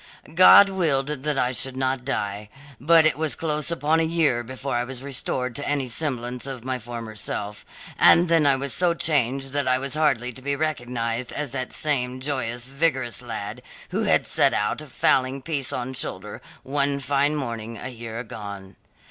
"God willed that I should not die, but it was close upon a year before I was restored to any semblance of my former self, and then I was so changed that I was hardly to be recognized as that same joyous, vigorous lad, who had set out, fowling piece on shoulder, one fine morning a year agone.